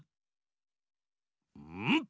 うん！